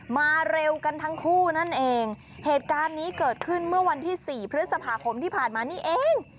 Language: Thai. มาเร็วกันทั้งคู่นั่นเองเหตุการณ์นี้เกิดขึ้นเมื่อวันที่สี่พฤษภาคมที่ผ่านมานี่เอง